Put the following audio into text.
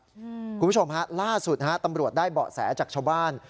คุณผู้ชมฮะล่าสุดฮะตำรวจได้เบาะแสจากชาวบ้าน